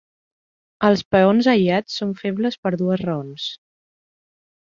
Els peons aïllats són febles per dues raons.